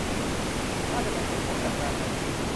ถ้าจะไปสมทบจากด้านนั้น